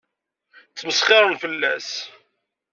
Ttmesxiṛen fell-as.